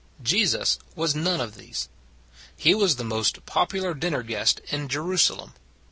Jesus was none of these. He was the most popular dinner guest in Jerusalem.